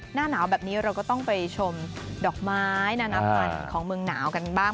หน้าหนาวแบบนี้เราก็ต้องไปชมดอกไม้นานาพันธุ์ของเมืองหนาวกันบ้าง